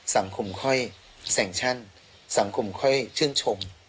สังคมค่อยแสงชั่นสังคมค่อยชื่นชม